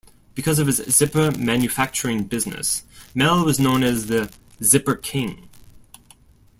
Because of his zipper manufacturing business, Mel was known as "The Zipper King".